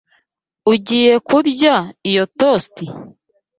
Ugiye kurya iyo toast?